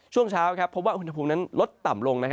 ช่วงเช้าพบว่าอุณหภูมินั้นลดต่ำลง